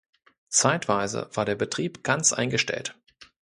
Zeitweise war der Betrieb ganz eingestellt.